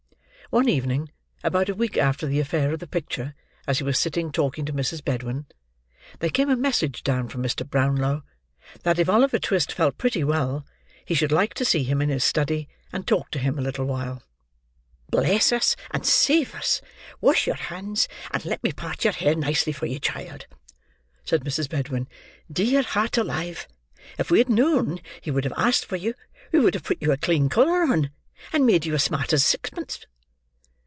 One evening, about a week after the affair of the picture, as he was sitting talking to Mrs. Bedwin, there came a message down from Mr. Brownlow, that if Oliver Twist felt pretty well, he should like to see him in his study, and talk to him a little while. "Bless us, and save us! Wash your hands, and let me part your hair nicely for you, child," said Mrs. Bedwin. "Dear heart alive! If we had known he would have asked for you, we would have put you a clean collar on, and made you as smart as sixpence!"